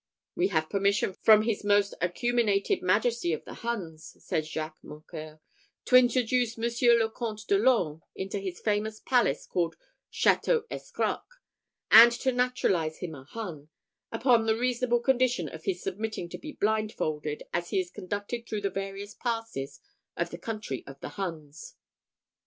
"We have permission from his most acuminated majesty of the Huns," said Jacques Mocqueur, "to introduce Monseigneur le Comte de l'Orme into his famous palace called Château Escroc, and to naturalise him a Hun, upon the reasonable condition of his submitting to be blindfolded, as he is conducted through the various passes of the country of the Huns."